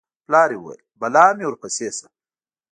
پلار یې وویل: بلا مې ورپسې شه